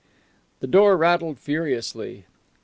The door rattled furiously.